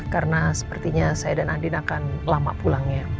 karena sepertinya saya dan andin akan lama pulangnya